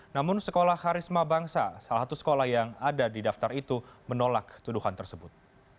namun sekolah harisma bangsa salah satu sekolah yang ada di daftar itu menolak tuduhan tersebut